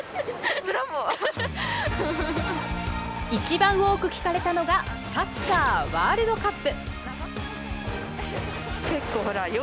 一番多く聞かれたのが、サッカーワールドカップ。